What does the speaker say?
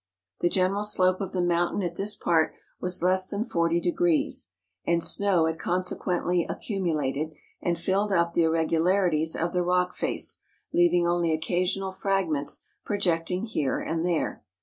The general slope of the mountain at this part was less than forty degrees, and snow had consequently accu¬ mulated, and filled up the irregularities of the rock face, leaving only occasional fragments projecting here and there.